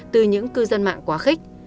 từ những cư dân mạng quá khích